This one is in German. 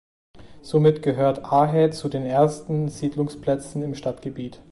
Somit gehört Ahe zu den ersten Siedlungsplätzen im Stadtgebiet.